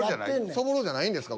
そぼろじゃないんですか？